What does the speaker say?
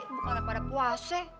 bukan pada puase